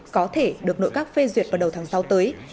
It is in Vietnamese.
có thể được nội các phê duyệt vào đầu tháng sáu tới